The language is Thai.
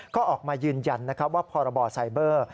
ก็ออกมายืนยันว่าพรบไซเบอร์